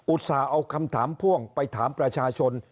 ต่าเอาคำถามพ่วงไปถามประชาชน